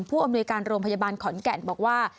ผู้อำนวยการโรงพยาบาลขอนแก่นบอกว่า